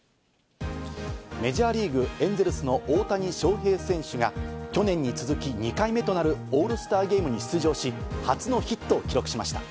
メジャーリーグ・エンゼルスの大谷翔平選手が去年に続き２回目となるオールスターゲームに出場し、初のヒットを記録しました。